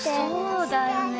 そうだよね。